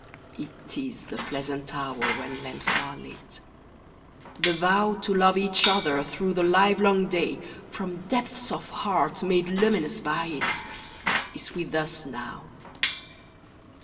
It is the pleasant hour when lamps are lit, The vow To love each other through the live long day From depths of heart made luminous by it. Is with us now.